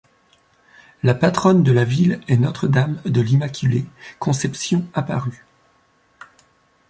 La patronne de la ville est Notre-Dame de l'Immaculée Conception Apparue.